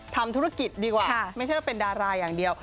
ทำธุรกิจดีกว่าไม่ใช่ว่าเป็นดาราอย่างเดียว